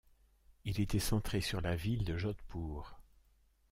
Il était centré sur la ville de Jodhpur.